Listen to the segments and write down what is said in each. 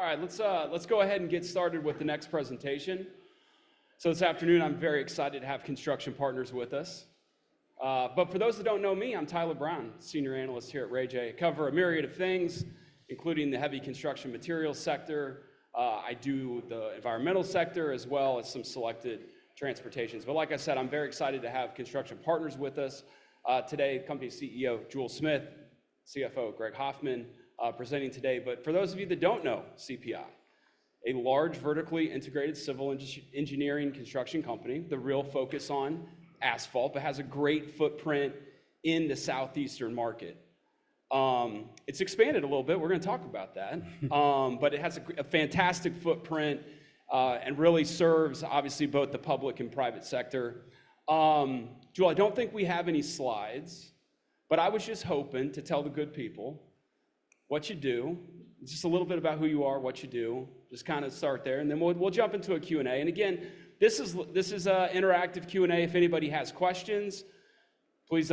All right, let's go ahead and get started with the next presentation, so this afternoon, I'm very excited to have Construction Partners with us, but for those that don't know me, I'm Tyler Brown, Senior Analyst here at RayJay. I cover a myriad of things, including the Heavy Construction Materials sector. I do the Environmental sector, as well as some selected transportations, but like I said, I'm very excited to have Construction Partners with us today. Company CEO Jule Smith, CFO Greg Hoffman presenting today, but for those of you that don't know CPI, a large vertically integrated civil engineering construction company, the real focus on asphalt, but has a great footprint in the southeastern market. It's expanded a little bit. We're going to talk about that, but it has a fantastic footprint and really serves, obviously, both the public and private sector. Jule, I don't think we have any slides, but I was just hoping to tell the good people what you do, just a little bit about who you are, what you do, just kind of start there. And then we'll jump into a Q&A. And again, this is an interactive Q&A. If anybody has questions, please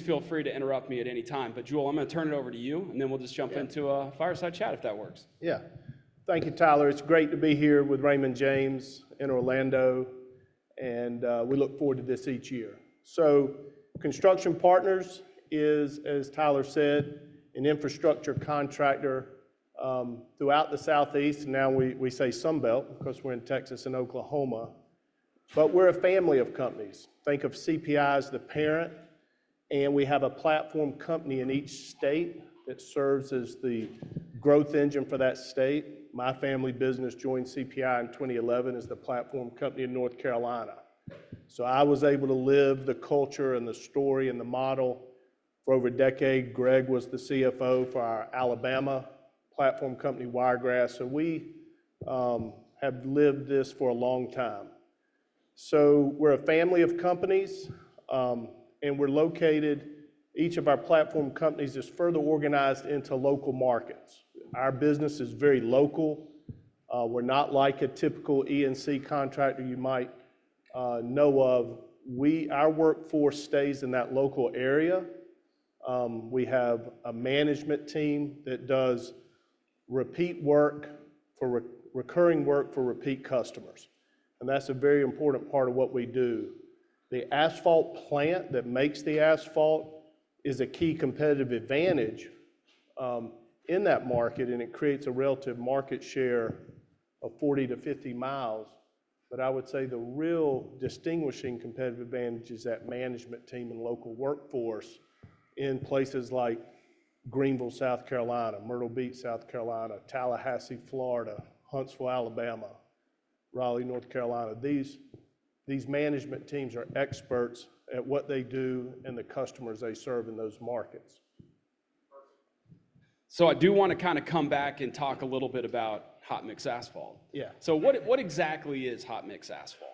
feel free to interrupt me at any time. But Jule, I'm going to turn it over to you, and then we'll just jump into a fireside chat if that works. Yeah. Thank you, Tyler. It's great to be here with Raymond James in Orlando, and we look forward to this each year, so Construction Partners is, as Tyler said, an infrastructure contractor throughout the South East, and now we say Sun Belt because we're in Texas and Oklahoma, but we're a family of companies. Think of CPI as the parent, and we have a platform company in each state that serves as the growth engine for that state. My family business joined CPI in 2011 as the platform company in North Carolina, so I was able to live the culture and the story and the model for over a decade. Greg was the CFO for our Alabama platform company, Wiregrass, so we have lived this for a long time, so we're a family of companies, and we're located. Each of our platform companies is further organized into local markets. Our business is very local. We're not like a typical ENC contractor you might know of. Our workforce stays in that local area. We have a management team that does repeat work for recurring work for repeat customers. And that's a very important part of what we do. The asphalt plant that makes the asphalt is a key competitive advantage in that market, and it creates a relative market share of 40 to 50 miles. But I would say the real distinguishing competitive advantage is that management team and local workforce in places like Greenville, South Carolina, Myrtle Beach, South Carolina, Tallahassee, Florida, Huntsville, Alabama, Raleigh, North Carolina. These management teams are experts at what they do and the customers they serve in those markets. So I do want to kind of come back and talk a little bit about hot mix asphalt. Yeah. So what exactly is hot mix asphalt?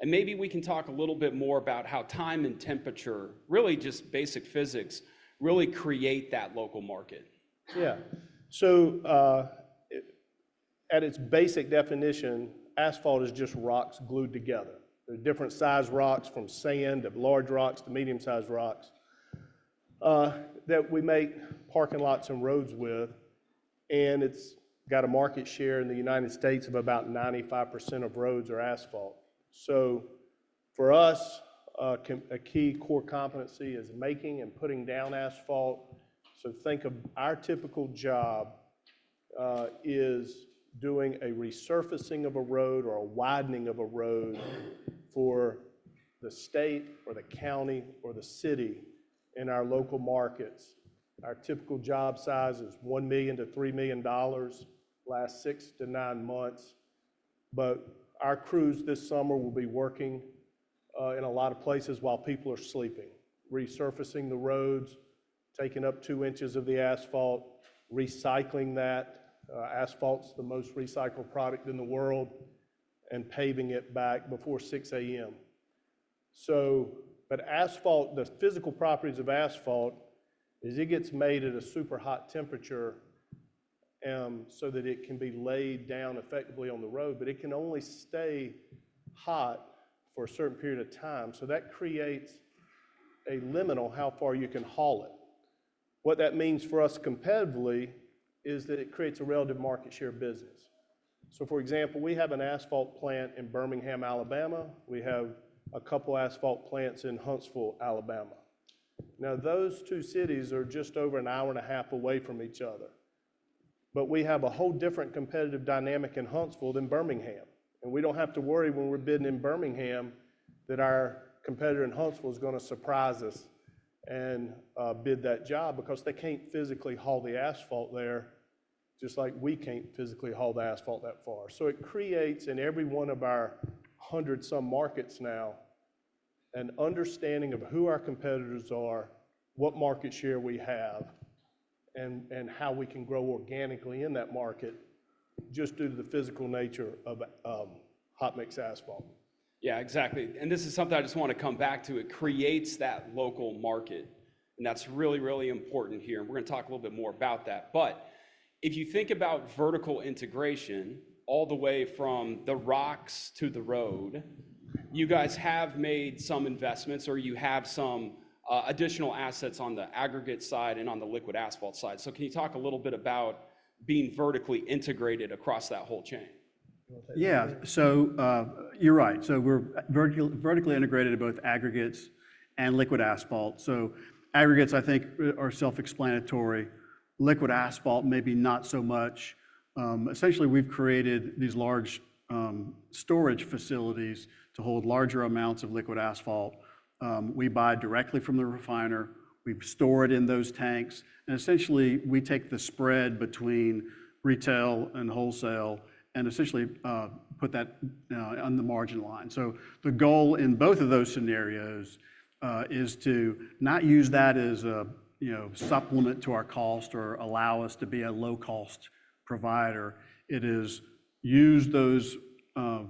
And maybe we can talk a little bit more about how time and temperature, really just basic physics, really create that local market. Yeah, so at its basic definition, asphalt is just rocks glued together. There are different size rocks from sand to large rocks to medium sized rocks that we make parking lots and roads with, and it's got a market share in the United States of about 95% of roads are asphalt, so for us, a key core competency is making and putting down asphalt, so think of our typical job as doing a resurfacing of a road or a widening of a road for the state or the county or the city in our local markets. Our typical job size is $1 million to $3 million last six to nine months, but our crews this summer will be working in a lot of places while people are sleeping, resurfacing the roads, taking up two inches of the asphalt, recycling that. Asphalt's the most recycled product in the world and paving it back before 6:00 A.M. But asphalt, the physical properties of asphalt is it gets made at a super hot temperature so that it can be laid down effectively on the road, but it can only stay hot for a certain period of time. So that creates a limit on how far you can haul it. What that means for us competitively is that it creates a relative market share business. So for example, we have an asphalt plant in Birmingham, Alabama. We have a couple of asphalt plants in Huntsville, Alabama. Now, those two cities are just over an hour and a half away from each other. But we have a whole different competitive dynamic in Huntsville than Birmingham. And we don't have to worry when we're bidding in Birmingham that our competitor in Huntsville is going to surprise us and bid that job because they can't physically haul the asphalt there just like we can't physically haul the asphalt that far. So it creates in every one of our hundred some markets now an understanding of who our competitors are, what market share we have, and how we can grow organically in that market just due to the physical nature of hot mix asphalt. Yeah, exactly. And this is something I just want to come back to. It creates that local market. And that's really, really important here. And we're going to talk a little bit more about that. But if you think about vertical integration all the way from the rocks to the road, you guys have made some investments or you have some additional assets on the aggregate side and on the liquid asphalt side. So can you talk a little bit about being vertically integrated across that whole chain? Yeah. So you're right. So we're vertically integrated in both aggregates and liquid asphalt. So aggregates, I think, are self-explanatory. Liquid asphalt, maybe not so much. Essentially, we've created these large storage facilities to hold larger amounts of liquid asphalt. We buy directly from the refiner. We store it in those tanks. And essentially, we take the spread between retail and wholesale and essentially put that on the margin line. So the goal in both of those scenarios is to not use that as a supplement to our cost or allow us to be a low-cost provider. It is use those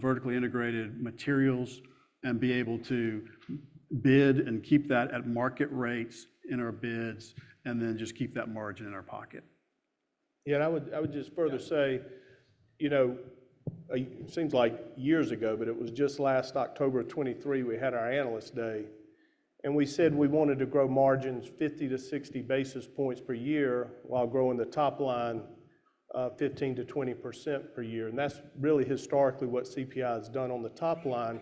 vertically integrated materials and be able to bid and keep that at market rates in our bids and then just keep that margin in our pocket. Yeah. And I would just further say, it seems like years ago, but it was just last October of 2023, we had our analyst day. And we said we wanted to grow margins 50-60 basis points per year while growing the top line 15%-20% per year. And that's really historically what CPI has done on the top line.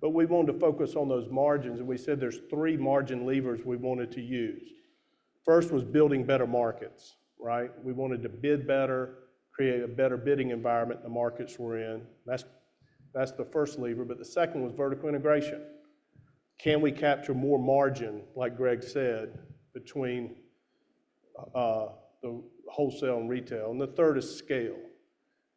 But we wanted to focus on those margins. And we said there's three margin levers we wanted to use. First was building better markets, right? We wanted to bid better, create a better bidding environment in the markets we're in. That's the first lever. But the second was vertical integration. Can we capture more margin, like Greg said, between the wholesale and retail? And the third is scale.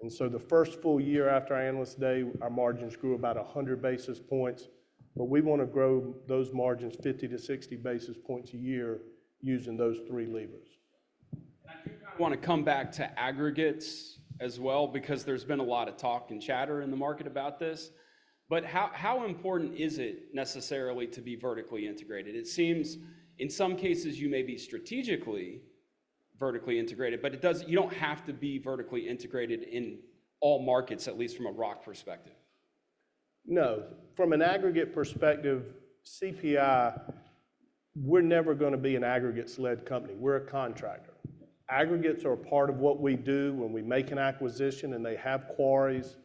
And so the first full year after our analyst day, our margins grew about 100 basis points. But we want to grow those margins 50-60 basis points a year using those three levers. I do kind of want to come back to aggregates as well because there's been a lot of talk and chatter in the market about this. But how important is it necessarily to be vertically integrated? It seems in some cases you may be strategically vertically integrated, but you don't have to be vertically integrated in all markets, at least from a rock perspective. No. From an aggregate perspective, CPI, we're never going to be an aggregates-led company. We're a contractor. Aggregates are a part of what we do when we make an acquisition and they have quarries.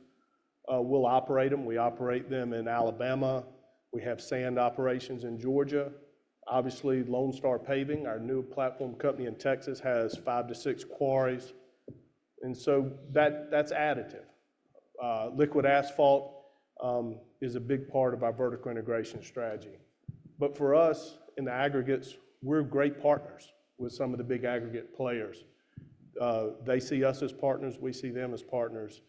We'll operate them. We operate them in Alabama. We have sand operations in Georgia. Obviously, Lone Star Paving, our new platform company in Texas, has five to six quarries, and so that's additive. Liquid asphalt is a big part of our vertical integration strategy, but for us in the aggregates, we're great partners with some of the big aggregate players. They see us as partners. We see them as partners,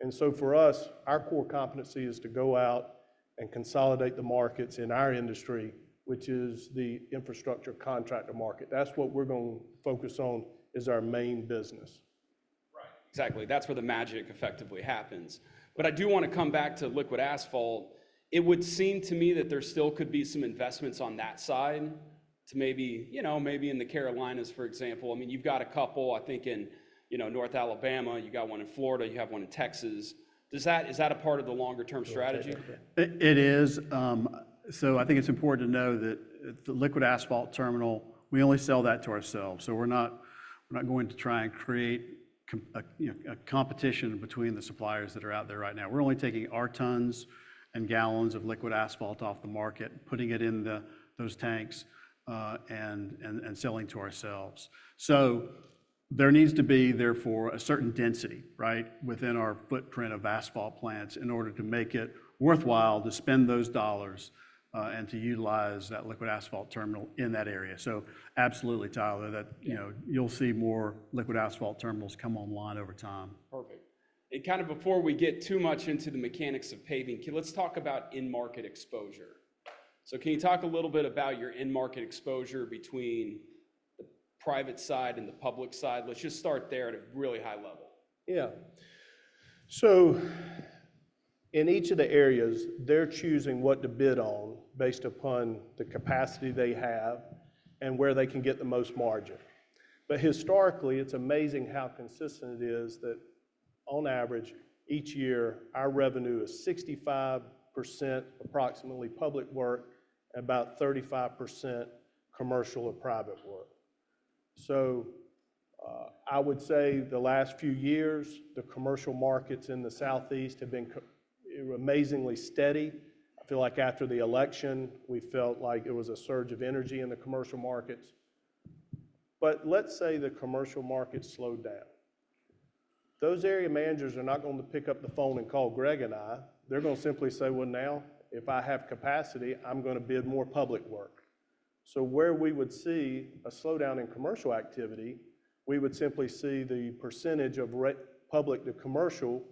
and so for us, our core competency is to go out and consolidate the markets in our industry, which is the infrastructure contractor market. That's what we're going to focus on as our main business. Right. Exactly. That's where the magic effectively happens. But I do want to come back to liquid asphalt. It would seem to me that there still could be some investments on that side to maybe in the Carolinas, for example. I mean, you've got a couple, I think, in North Alabama. You've got one in Florida. You have one in Texas. Is that a part of the longer-term strategy? It is. So I think it's important to know that the liquid asphalt terminal, we only sell that to ourselves. So we're not going to try and create a competition between the suppliers that are out there right now. We're only taking our tons and gallons of liquid asphalt off the market, putting it in those tanks, and selling to ourselves. So there needs to be, therefore, a certain density within our footprint of asphalt plants in order to make it worthwhile to spend those dollars and to utilize that liquid asphalt terminal in that area. So absolutely, Tyler, that you'll see more liquid asphalt terminals come online over time. Perfect. And kind of before we get too much into the mechanics of paving, let's talk about in-market exposure. So can you talk a little bit about your in-market exposure between the private side and the public side? Let's just start there at a really high level. Yeah. So in each of the areas, they're choosing what to bid on based upon the capacity they have and where they can get the most margin. But historically, it's amazing how consistent it is that on average, each year, our revenue is 65% approximately public work and about 35% commercial or private work. So I would say the last few years, the commercial markets in the southeast have been amazingly steady. I feel like after the election, we felt like it was a surge of energy in the commercial markets. But let's say the commercial market slowed down. Those area managers are not going to pick up the phone and call Greg and I. They're going to simply say, "Well, now if I have capacity, I'm going to bid more public work." So where we would see a slowdown in commercial activity, we would simply see the percentage of public to commercial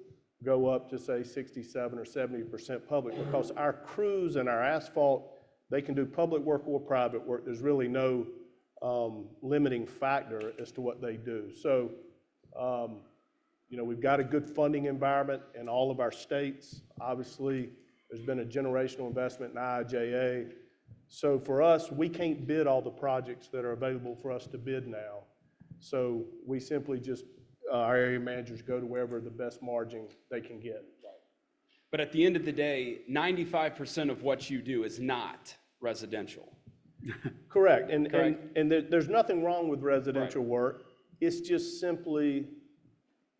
go up to, say, 67% or 70% public because our crews and our asphalt, they can do public work or private work. There's really no limiting factor as to what they do. So we've got a good funding environment in all of our states. Obviously, there's been a generational investment in IIJA. So for us, we can't bid all the projects that are available for us to bid now. So we simply just, our area managers go to wherever the best margin they can get. But at the end of the day, 95% of what you do is not residential. Correct. And there's nothing wrong with residential work. It's just simply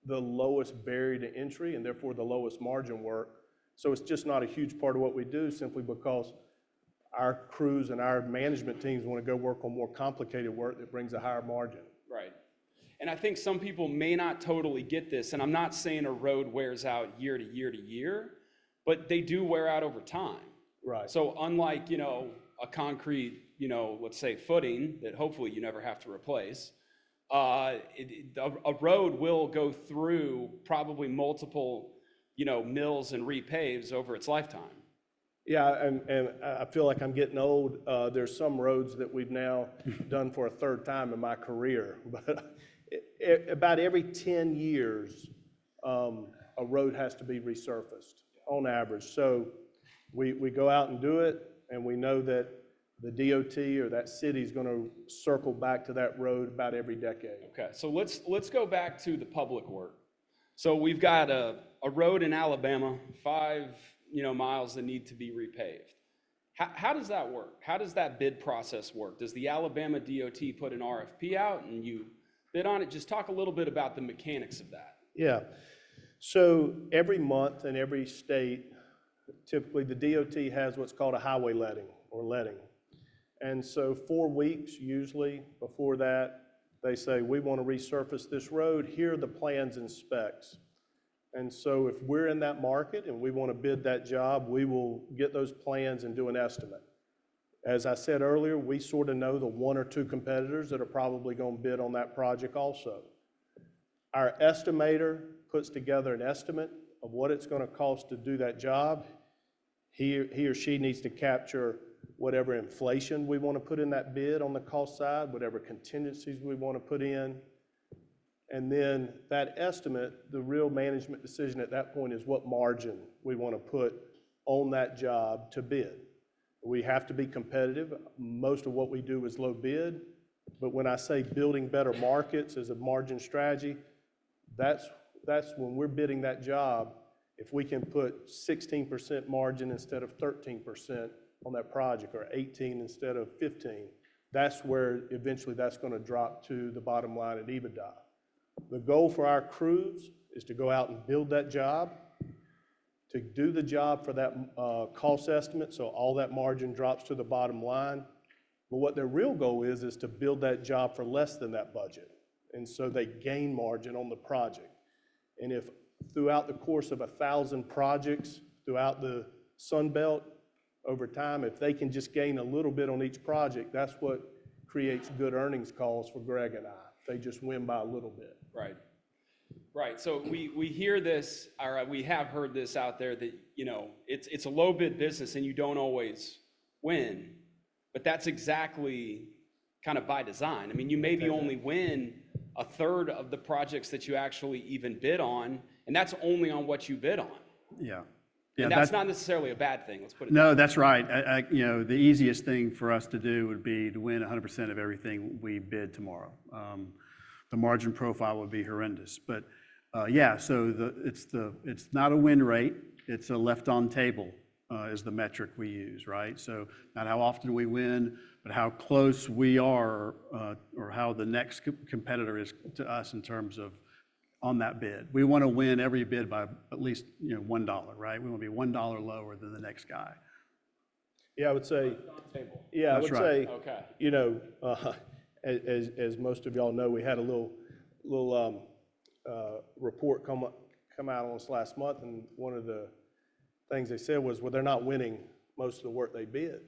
the lowest barrier to entry and therefore the lowest margin work. So it's just not a huge part of what we do simply because our crews and our management teams want to go work on more complicated work that brings a higher margin. Right. And I think some people may not totally get this. And I'm not saying a road wears out year to year to year, but they do wear out over time. So unlike a concrete, let's say, footing that hopefully you never have to replace, a road will go through probably multiple mills and repaves over its lifetime. Yeah, and I feel like I'm getting old. There's some roads that we've now done for a third time in my career, but about every 10 years, a road has to be resurfaced on average, so we go out and do it, and we know that the DOT or that city is going to circle back to that road about every decade. Okay. So let's go back to the public work. So we've got a road in Alabama, five miles that need to be repaved. How does that work? How does the bid process work? Does the Alabama DOT put an RFP out and you bid on it? Just talk a little bit about the mechanics of that. Yeah. So every month in every state, typically the DOT has what's called a highway letting or letting. And so four weeks usually before that, they say, "We want to resurface this road. Here are the plans and specs." And so if we're in that market and we want to bid that job, we will get those plans and do an estimate. As I said earlier, we sort of know the one or two competitors that are probably going to bid on that project also. Our estimator puts together an estimate of what it's going to cost to do that job. He or she needs to capture whatever inflation we want to put in that bid on the cost side, whatever contingencies we want to put in. And then that estimate, the real management decision at that point is what margin we want to put on that job to bid. We have to be competitive. Most of what we do is low bid. But when I say building better markets as a margin strategy, that's when we're bidding that job, if we can put 16% margin instead of 13% on that project or 18% instead of 15%, that's where eventually that's going to drop to the bottom line at EBITDA. The goal for our crews is to go out and build that job, to do the job for that cost estimate so all that margin drops to the bottom line. But what their real goal is, is to build that job for less than that budget. And so they gain margin on the project. And if throughout the course of 1,000 projects throughout the Sun Belt over time, if they can just gain a little bit on each project, that's what creates good earnings calls for Greg and I. They just win by a little bit. Right. Right. So we hear this or we have heard this out there that it's a low-bid business and you don't always win. But that's exactly kind of by design. I mean, you maybe only win a third of the projects that you actually even bid on. And that's only on what you bid on. Yeah. That's not necessarily a bad thing. Let's put it that way. No, that's right. The easiest thing for us to do would be to win 100% of everything we bid tomorrow. The margin profile would be horrendous. But yeah, so it's not a win rate. It's a left on table is the metric we use, right? So not how often we win, but how close we are or how the next competitor is to us in terms of on that bid. We want to win every bid by at least $1, right? We want to be $1 lower than the next guy. Yeah. I would say. Left on table. Yeah. I would say. That's right. Okay. As most of y'all know, we had a little report come out on us last month. And one of the things they said was, "Well, they're not winning most of the work they bid."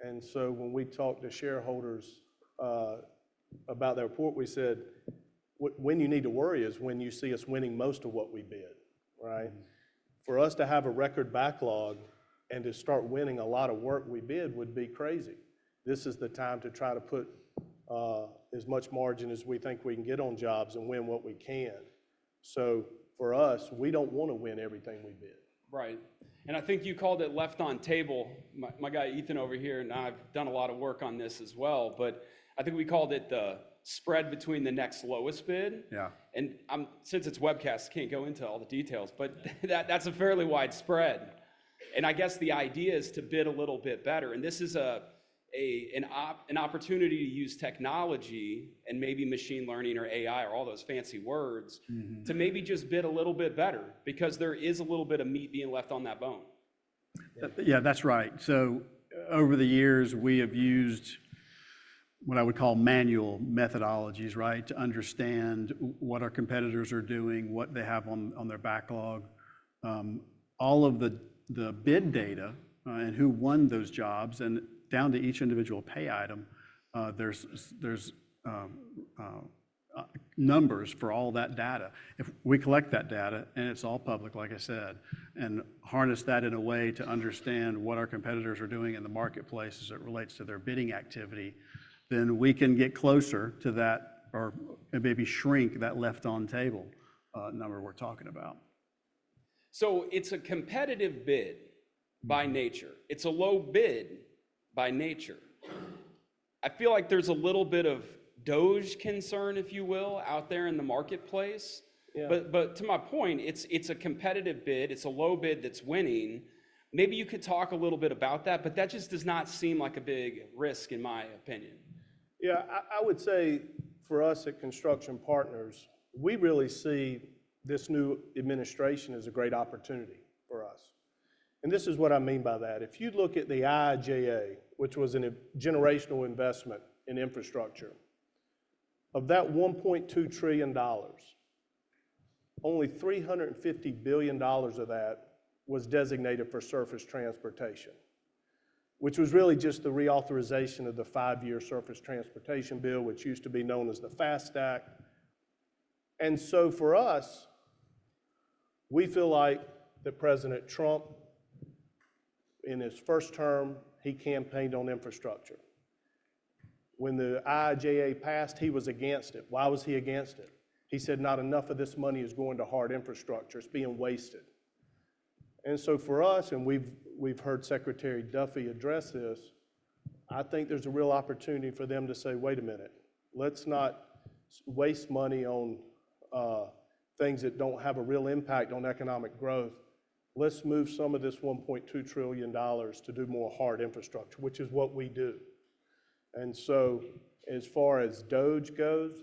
And so when we talked to shareholders about their report, we said, "When you need to worry is when you see us winning most of what we bid," right? For us to have a record backlog and to start winning a lot of work we bid would be crazy. This is the time to try to put as much margin as we think we can get on jobs and win what we can. So for us, we don't want to win everything we bid. Right. And I think you called it left on table. My guy Ethan over here, and I've done a lot of work on this as well. But I think we called it the spread between the next lowest bid. And since it's webcast, I can't go into all the details, but that's a fairly wide spread. And I guess the idea is to bid a little bit better. And this is an opportunity to use technology and maybe machine learning or AI or all those fancy words to maybe just bid a little bit better because there is a little bit of meat being left on that bone. Yeah, that's right. So over the years, we have used what I would call manual methodologies, right, to understand what our competitors are doing, what they have on their backlog. All of the bid data and who won those jobs and down to each individual pay item, there's numbers for all that data. If we collect that data and it's all public, like I said, and harness that in a way to understand what our competitors are doing in the marketplace as it relates to their bidding activity, then we can get closer to that or maybe shrink that left on table number we're talking about. So it's a competitive bid by nature. It's a low bid by nature. I feel like there's a little bit of DOGE concern, if you will, out there in the marketplace. But to my point, it's a competitive bid. It's a low bid that's winning. Maybe you could talk a little bit about that, but that just does not seem like a big risk, in my opinion. Yeah. I would say for us at Construction Partners, we really see this new administration as a great opportunity for us. And this is what I mean by that. If you look at the IIJA, which was a generational investment in infrastructure, of that $1.2 trillion, only $350 billion of that was designated for surface transportation, which was really just the reauthorization of the five-year surface transportation bill, which used to be known as the FAST Act. And so for us, we feel like that President Trump, in his first term, he campaigned on infrastructure. When the IIJA passed, he was against it. Why was he against it? He said, "Not enough of this money is going to hard infrastructure. It's being wasted." And so for us, and we've heard Secretary Duffy address this, I think there's a real opportunity for them to say, "Wait a minute. Let's not waste money on things that don't have a real impact on economic growth. Let's move some of this $1.2 trillion to do more hard infrastructure," which is what we do. And so as far as DOGE goes,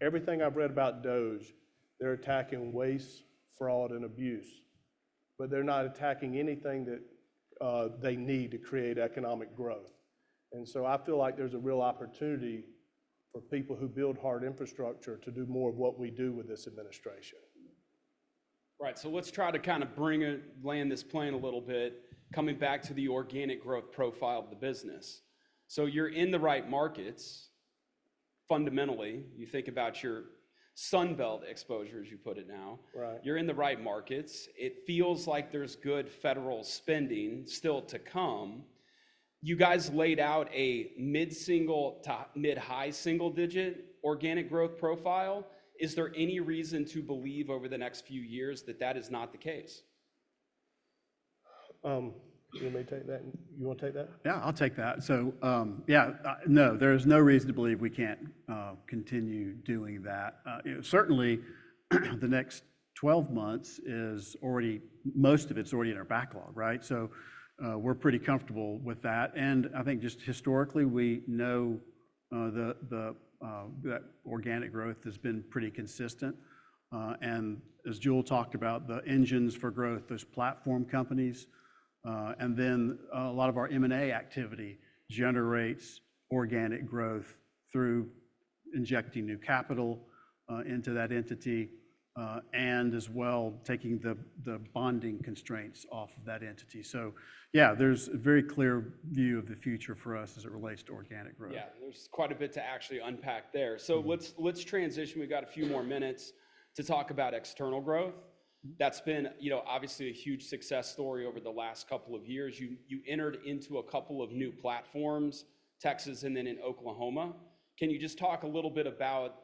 everything I've read about DOGE, they're attacking waste, fraud, and abuse. But they're not attacking anything that they need to create economic growth. And so I feel like there's a real opportunity for people who build hard infrastructure to do more of what we do with this administration. Right. So let's try to kind of bring it, land this plane a little bit, coming back to the organic growth profile of the business. So you're in the right markets. Fundamentally, you think about your Sun Belt exposure, as you put it now. You're in the right markets. It feels like there's good federal spending still to come. You guys laid out a mid-single, mid-high single-digit organic growth profile. Is there any reason to believe over the next few years that that is not the case? You may take that. You want to take that? Yeah, I'll take that. So yeah, no, there is no reason to believe we can't continue doing that. Certainly, the next 12 months is already, most of it's already in our backlog, right? So we're pretty comfortable with that. And I think just historically, we know that organic growth has been pretty consistent. And as Jule talked about, the engines for growth, those platform companies, and then a lot of our M&A activity generates organic growth through injecting new capital into that entity and as well taking the bonding constraints off of that entity. So yeah, there's a very clear view of the future for us as it relates to organic growth. Yeah. There's quite a bit to actually unpack there. So let's transition. We've got a few more minutes to talk about external growth. That's been obviously a huge success story over the last couple of years. You entered into a couple of new platforms, Texas and then in Oklahoma. Can you just talk a little bit about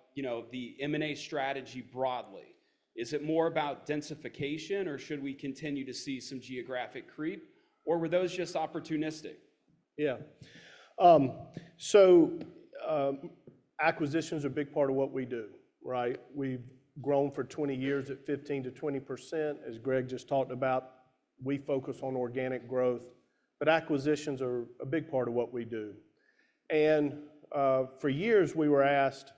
the M&A strategy broadly? Is it more about densification, or should we continue to see some geographic creep, or were those just opportunistic? Yeah. So acquisitions are a big part of what we do, right? We've grown for 20 years at 15%-20%. As Greg just talked about, we focus on organic growth. But acquisitions are a big part of what we do. And for years, we were asked,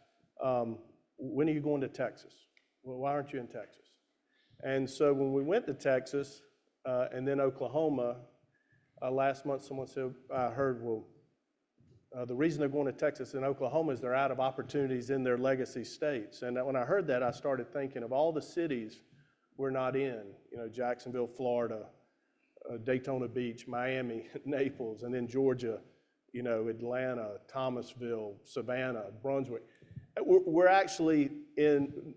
"When are you going to Texas? Why aren't you in Texas?" And so when we went to Texas and then Oklahoma, last month, someone said, "I heard, well, the reason they're going to Texas and Oklahoma is they're out of opportunities in their legacy states." And when I heard that, I started thinking of all the cities we're not in: Jacksonville, Florida, Daytona Beach, Miami, Naples, and then Georgia, Atlanta, Thomasville, Savannah, Brunswick. We're actually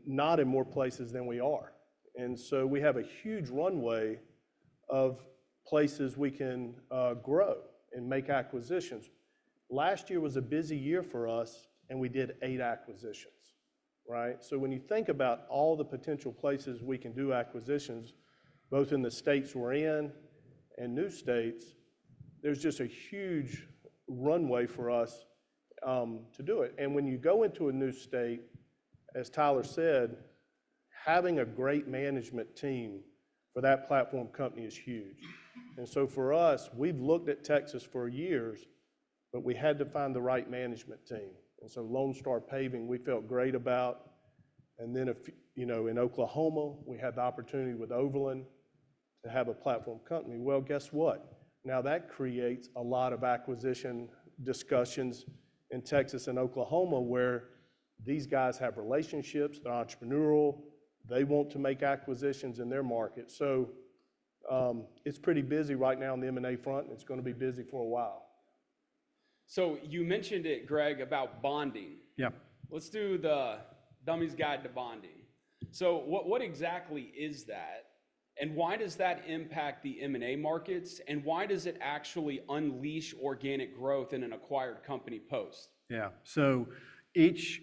not in more places than we are. And so we have a huge runway of places we can grow and make acquisitions. Last year was a busy year for us, and we did eight acquisitions, right, so when you think about all the potential places we can do acquisitions, both in the states we're in and new states, there's just a huge runway for us to do it, and when you go into a new state, as Tyler said, having a great management team for that platform company is huge, and so for us, we've looked at Texas for years, but we had to find the right management team, and so Lone Star Paving, we felt great about, and then in Oklahoma, we had the opportunity with Overland to have a platform company, well, guess what, now that creates a lot of acquisition discussions in Texas and Oklahoma where these guys have relationships. They're entrepreneurial. They want to make acquisitions in their market. So it's pretty busy right now on the M&A front, and it's going to be busy for a while. So you mentioned it, Greg, about bonding. Yeah. Let's do the dummy's guide to bonding. So what exactly is that? And why does that impact the M&A markets? And why does it actually unleash organic growth in an acquired company post? Yeah. So each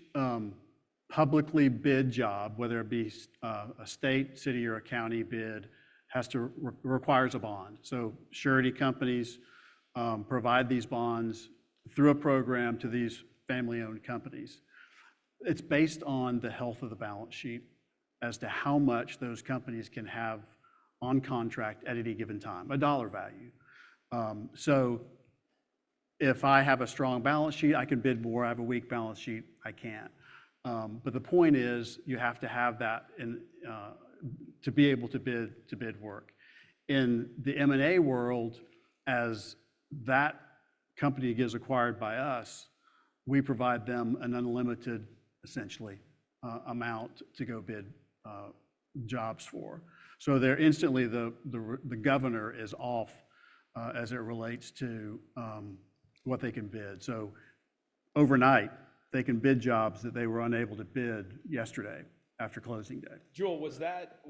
publicly bid job, whether it be a state, city, or a county bid, requires a bond. So surety companies provide these bonds through a program to these family-owned companies. It's based on the health of the balance sheet as to how much those companies can have on contract at any given time, a dollar value. So if I have a strong balance sheet, I can bid more. I have a weak balance sheet, I can't. But the point is you have to have that to be able to bid work. In the M&A world, as that company gets acquired by us, we provide them an unlimited, essentially, amount to go bid jobs for. So instantly, the governor is off as it relates to what they can bid. So overnight, they can bid jobs that they were unable to bid yesterday after closing day. Jule, was that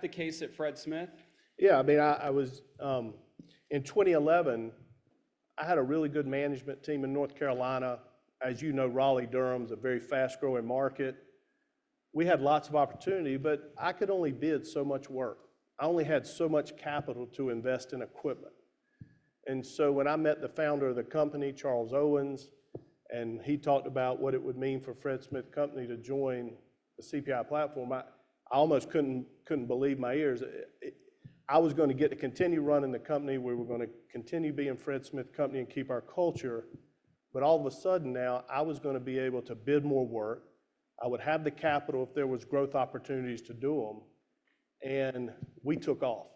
the case at Fred Smith? Yeah. I mean, in 2011, I had a really good management team in North Carolina. As you know, Raleigh-Durham's a very fast-growing market. We had lots of opportunity, but I could only bid so much work. I only had so much capital to invest in equipment, and so when I met the founder of the company, Charles Owens, and he talked about what it would mean for Fred Smith Company to join the CPI platform, I almost couldn't believe my ears. I was going to get to continue running the company. We were going to continue being Fred Smith Company and keep our culture, but all of a sudden now, I was going to be able to bid more work. I would have the capital if there were growth opportunities to do them, and we took off.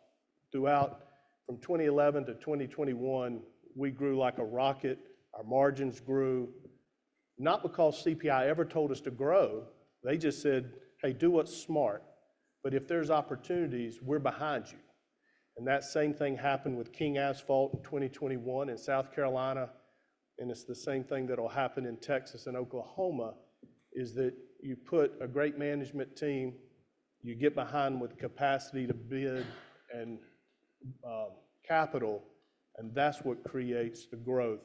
Throughout from 2011 to 2021, we grew like a rocket. Our margins grew. Not because CPI ever told us to grow. They just said, "Hey, do what's smart. But if there's opportunities, we're behind you," and that same thing happened with King Asphalt in 2021 in South Carolina. It's the same thing that will happen in Texas and Oklahoma: that you put a great management team, you get behind with capacity to bid and capital, and that's what creates the growth,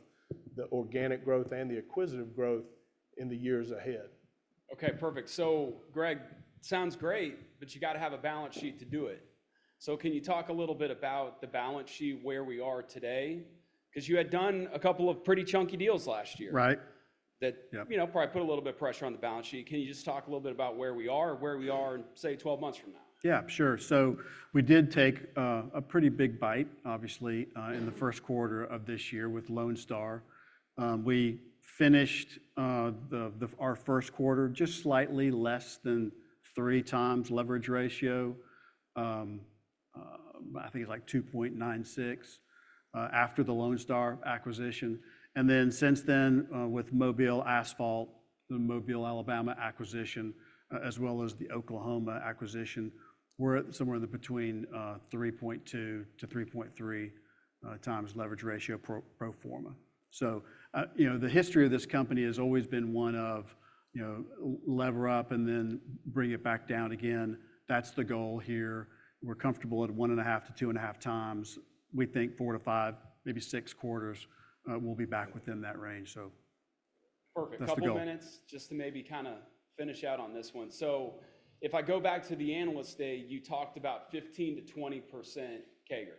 the organic growth and the acquisitive growth in the years ahead. Okay. Perfect. So Greg, sounds great, but you got to have a balance sheet to do it. So can you talk a little bit about the balance sheet, where we are today? Because you had done a couple of pretty chunky deals last year that probably put a little bit of pressure on the balance sheet. Can you just talk a little bit about where we are, where we are say 12 months from now? Yeah, sure. So we did take a pretty big bite, obviously, in the first quarter of this year with Lone Star. We finished our first quarter just slightly less than three times leverage ratio. I think it's like 2.96 after the Lone Star acquisition. And then since then, with Mobile Asphalt, the Mobile Alabama acquisition, as well as the Oklahoma acquisition, we're somewhere in between 3.2-3.3 times leverage ratio pro forma. So the history of this company has always been one of leverage up and then bring it back down again. That's the goal here. We're comfortable at 1.5-2.5 times. We think four to five, maybe six quarters, we'll be back within that range. Perfect. A couple of minutes just to maybe kind of finish out on this one. So if I go back to the analyst day, you talked about 15%-20% CAGR.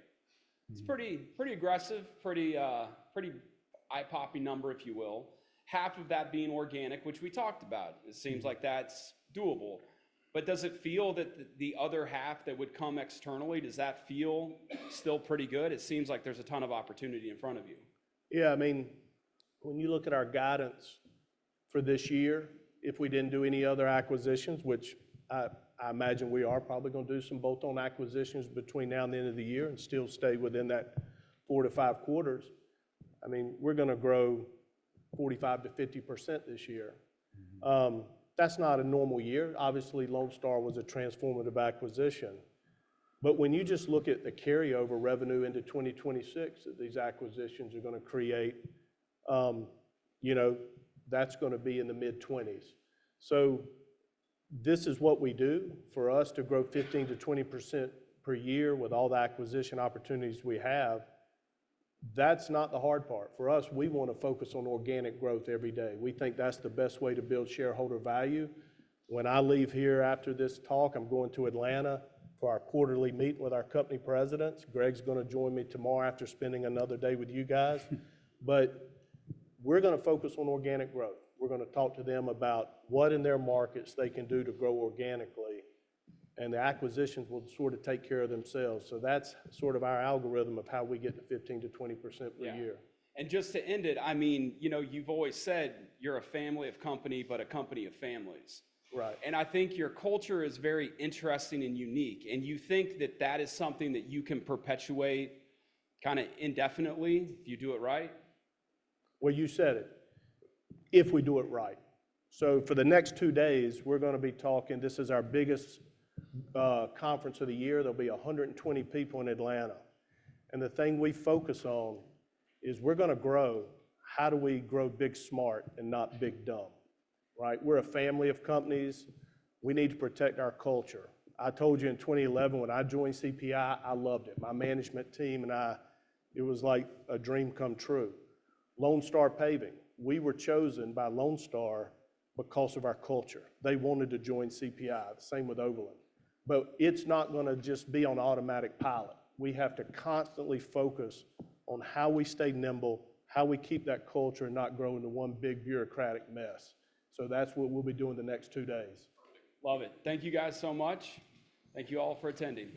It's pretty aggressive, pretty eye-popping number, if you will. Half of that being organic, which we talked about. It seems like that's doable. But does it feel that the other half that would come externally, does that feel still pretty good? It seems like there's a ton of opportunity in front of you. Yeah. I mean, when you look at our guidance for this year, if we didn't do any other acquisitions, which I imagine we are probably going to do some bolt-on acquisitions between now and the end of the year and still stay within that four to five quarters, I mean, we're going to grow 45%-50% this year. That's not a normal year. Obviously, Lone Star was a transformative acquisition. But when you just look at the carryover revenue into 2026 that these acquisitions are going to create, that's going to be in the mid-20s. So this is what we do. For us to grow 15%-20% per year with all the acquisition opportunities we have, that's not the hard part. For us, we want to focus on organic growth every day. We think that's the best way to build shareholder value. When I leave here after this talk, I'm going to Atlanta for our quarterly meet with our company presidents. Greg's going to join me tomorrow after spending another day with you guys. But we're going to focus on organic growth. We're going to talk to them about what in their markets they can do to grow organically. And the acquisitions will sort of take care of themselves. So that's sort of our algorithm of how we get to 15%-20% per year. Just to end it, I mean, you've always said you're a family of companies, but a company of families. Right. I think your culture is very interesting and unique. You think that that is something that you can perpetuate kind of indefinitely if you do it right? You said it, if we do it right. For the next two days, we're going to be talking. This is our biggest conference of the year. There'll be 120 people in Atlanta. The thing we focus on is we're going to grow. How do we grow big, smart and not big dumb, right? We're a family of companies. We need to protect our culture. I told you in 2011, when I joined CPI, I loved it. My management team and I, it was like a dream come true. Lone Star Paving. We were chosen by Lone Star because of our culture. They wanted to join CPI. Same with Overland. It's not going to just be on automatic pilot. We have to constantly focus on how we stay nimble, how we keep that culture and not grow into one big bureaucratic mess. So that's what we'll be doing the next two days. Love it. Thank you guys so much. Thank you all for attending.